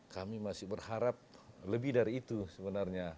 kami masih berharap lebih dari itu sebenarnya